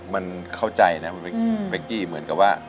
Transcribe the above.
มันเข้าใจแมคกี้เหมือนกับว่า